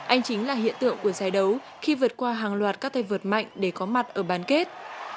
anh chính là hiện tượng của giải đấu khi vượt qua hàng loạt các tay vợt mạnh để có mặt ở bán kết